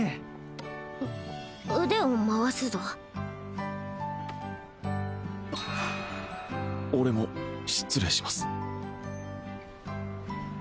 う腕を回すぞ俺も失礼します